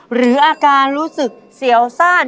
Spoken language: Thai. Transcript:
หรืออาการรู้สึกเสียวสั้น